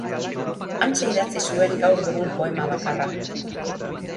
Hantxe idatzi zuen gaur dugun poema bakarra.